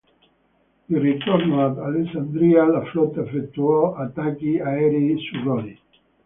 Di ritorno ad Alessandria la flotta effettuò attacchi aerei su Rodi.